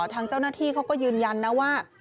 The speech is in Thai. ทางเจ้าหน้าที่เขาก็ยืนยันนะว่า